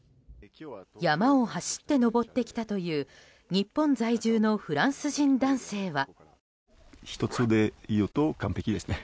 山を走って登ってきたという日本在住のフランス人男性は。